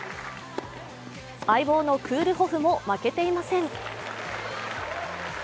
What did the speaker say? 相棒のクールホフも負けていません。